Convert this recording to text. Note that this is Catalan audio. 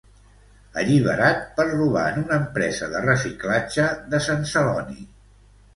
Alliberat per robar en una empresa de reciclatge de Sant Celoni.